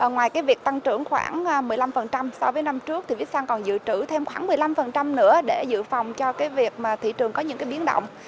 ngoài cái việc tăng trưởng khoảng một mươi năm so với năm trước thì visa còn dự trữ thêm khoảng một mươi năm nữa để dự phòng cho cái việc mà thị trường có những cái biến động